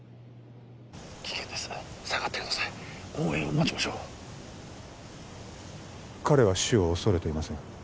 危険です下がってください応援を待ちましょう彼は死を恐れていません